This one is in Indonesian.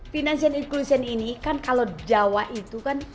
financial inclusion ini kan kalau jawa itu kan